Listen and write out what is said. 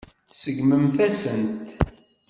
Tseggmemt-as-tent.